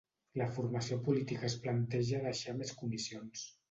La formació política es planteja deixar més comissions